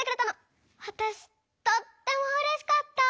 わたしとってもうれしかった。